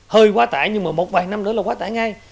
hơi quá tải nhưng mà một vài năm nữa là quá tải ngay